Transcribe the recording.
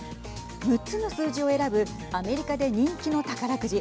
６つの数字を選ぶアメリカで人気の宝くじ。